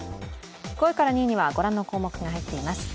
５位から２位にはご覧の項目が入っています。